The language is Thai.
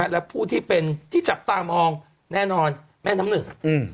แล้วผู้ที่จับตามองแน่นอนแม่น้ำหนึ่ง